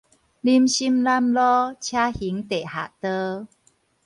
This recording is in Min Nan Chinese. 林森南路車行地下道